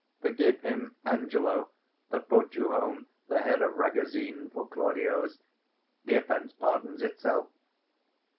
Forgive him, Angelo, that brought you home 530 The head of Ragozine for Claudio's: The offence pardons itself.